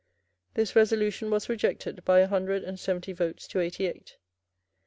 This resolution was rejected by a hundred and seventy votes to eighty eight.